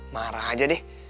marah aja deh